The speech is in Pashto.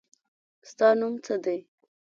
ستا نوم څه دی ؟